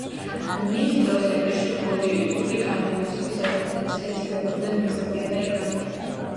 მის დროს ეგრისში პოლიტიკური გავლენისათვის ერთმანეთს ეცილებოდნენ ბიზანტია და ირანი.